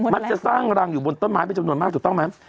มันจะสร้างรังอยู่บนต้นไม้เป็นจำนวนมากถูกต้องไหม